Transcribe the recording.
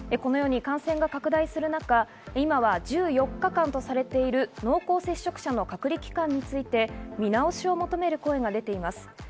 感染が拡大する中、今は１４日間とされている濃厚接触者の隔離期間について見直しを求める声が出ています。